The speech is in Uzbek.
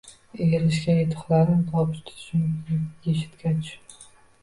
Erishgan yutiqlarim, topish tutishimni eshitgach: